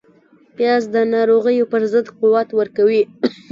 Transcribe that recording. پیاز د ناروغیو پر ضد قوت ورکوي